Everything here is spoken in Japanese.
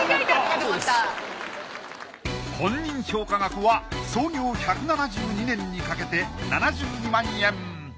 本人評価額は創業１７２年にかけて７２万円。